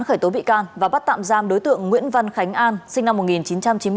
khởi tố bị can và bắt tạm giam đối tượng nguyễn văn khánh an sinh năm một nghìn chín trăm chín mươi bốn